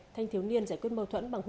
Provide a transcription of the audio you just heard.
thanh thiếu niên giải quyết mâu thuẫn